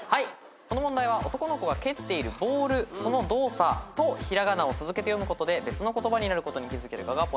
この問題は男の子が蹴っているボールその動作と平仮名を続けて読むことで別の言葉になることに気付けるかがポイントです。